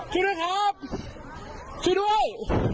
ช่วยด้วยครับช่วยด้วย